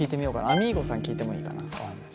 あみーごさん聞いてもいいかなお話。